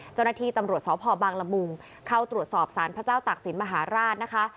เจ้าหน้าที่ตำรวจสพบังละมุงเข้าตรวจสอบสารพระเจ้าตากศิลปมหาราชนะคะ